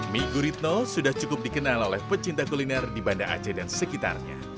mie guritno sudah cukup dikenal oleh pecinta kuliner di banda aceh dan sekitarnya